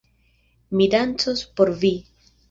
Mi dancos por vi.